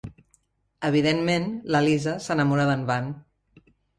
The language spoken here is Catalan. Evidentment, la Lisa s'enamora d'en Van.